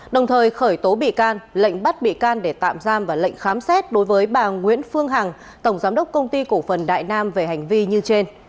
đồng thời khởi tố bị can lệnh bắt bị can để tạm giam và lệnh khám xét đối với bà nguyễn phương hằng tổng giám đốc công ty cổ phần đại nam về hành vi như trên